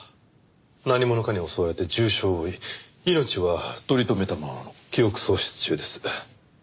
何者かに襲われて重傷を負い命は取り留めたものの記憶喪失中です。